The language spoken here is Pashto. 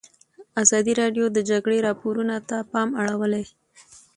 ازادي راډیو د د جګړې راپورونه ته پام اړولی.